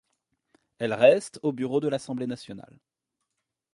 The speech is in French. Elle reste au bureau de l'Assemblée Nationale.